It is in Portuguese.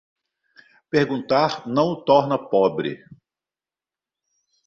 Perguntar não o torna pobre.